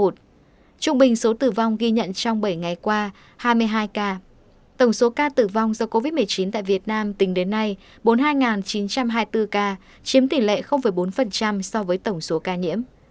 trung bình số tử vong ghi nhận trong bảy ngày qua hai mươi hai ca tổng số ca tử vong do covid một mươi chín tại việt nam tính đến nay bốn mươi hai chín trăm hai mươi bốn ca chiếm tỷ lệ bốn so với tổng số ca nhiễm